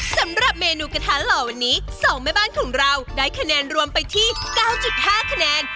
สำหรับเมนูกระทะหล่อวันนี้๒แม่บ้านของเราได้คะแนนรวมไปที่๙๕คะแนน